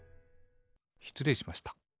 しつれいしました。